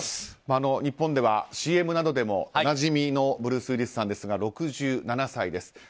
日本ではＣＭなどでもおなじみのブルース・ウィリスさんですが６７歳です。